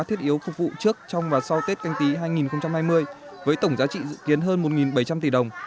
thiết yếu phục vụ trước trong và sau tết canh tí hai nghìn hai mươi với tổng giá trị dự kiến hơn một bảy trăm linh tỷ đồng